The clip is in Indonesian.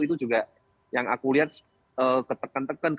itu juga yang aku lihat ketekan tekan